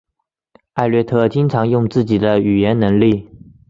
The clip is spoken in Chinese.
艾略特经常用自己的语言能力。